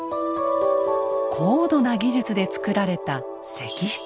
高度な技術でつくられた石室。